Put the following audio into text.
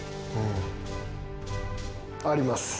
あります。